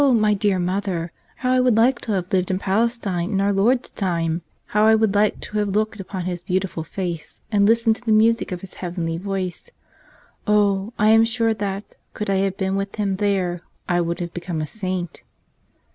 my dear mother, how I would liked to have lived in Palestine in Our Lord's time ! How I would like to have looked upon His beauti¬ ful face and listened to the music of His heavenly voice! Oh, I am sure that, could I have been with Him there I would have become a saint!"